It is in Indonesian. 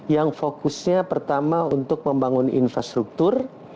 yang fokusnya pertama untuk membangun infrastruktur